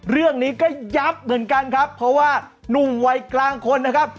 เรื่องนี้ก็ยับเหมือนกันครับเพราะว่านุ่มวัยกลางคนนะครับ